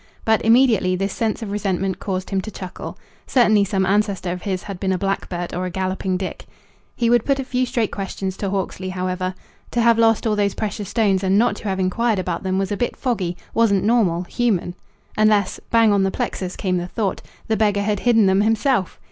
But immediately this sense of resentment caused him to chuckle. Certainly some ancestor of his had been a Black Bart or a Galloping Dick. He would put a few straight questions to Hawksley, however. To have lost all those precious stones and not to have inquired about them was a bit foggy, wasn't normal, human. Unless bang on the plexus came the thought! the beggar had hidden them himself.